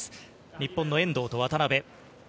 日本の遠藤と渡辺。